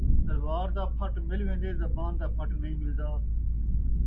تلوار دا پھٹ مل ویندے، زبان دا پھٹ نئیں ملد